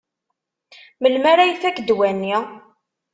Melmi ara ifak ddwa-nni?